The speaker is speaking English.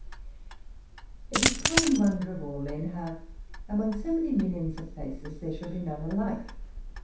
It is the common wonder of all men, how, among so many millions of faces, there should be none alike.